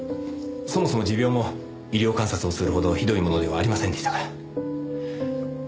そもそも持病も医療観察をするほどひどいものではありませんでしたから。